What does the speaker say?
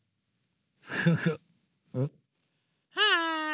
はい。